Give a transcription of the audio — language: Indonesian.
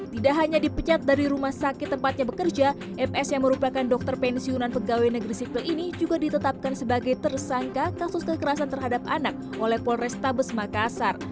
tidak hanya dipecat dari rumah sakit tempatnya bekerja fs yang merupakan dokter pensiunan pegawai negeri sipil ini juga ditetapkan sebagai tersangka kasus kekerasan terhadap anak oleh polrestabes makassar